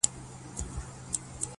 ته مور، وطن او د دنيا ښكلا ته شعر ليكې.